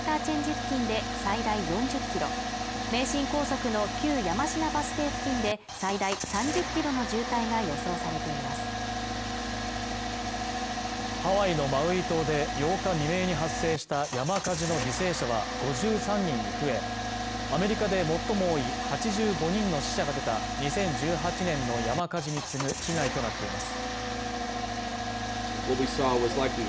付近で最大４０ｋｍ名神高速の旧山科バス停付近で最大３０ｋｍの渋滞が予想されていますハワイのマウイ島で８日未明に発生した山火事の犠牲者は５３人に増えアメリカで最も多い８５人の死者が出た２０１８年の山火事に次ぐ被害となっています